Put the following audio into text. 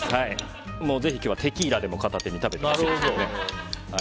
ぜひ、今日はテキーラでも片手に食べてほしいですね。